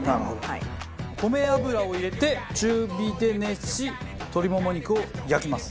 米油を入れて中火で熱し鶏もも肉を焼きます。